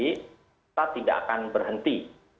kita tidak akan berhenti